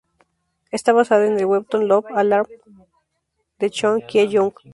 Está basada en el webtoon "Love Alarm" de Chon Kye-young.